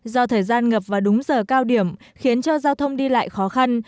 do thời gian ngập vào đúng giờ cao điểm khiến cho giao thông đi lại khó khăn